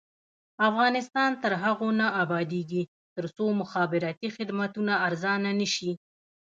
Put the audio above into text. افغانستان تر هغو نه ابادیږي، ترڅو مخابراتي خدمتونه ارزانه نشي.